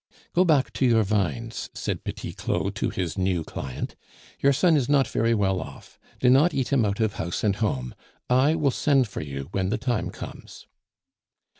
"Go back to your vines," said Petit Claud to his new client. "Your son is not very well off; do not eat him out of house and home. I will send for you when the time comes."